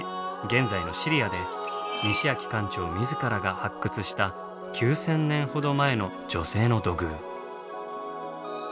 現在のシリアで西秋館長自らが発掘した９，０００年ほど前の女性の土偶。